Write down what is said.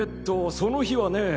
その日はねぇ。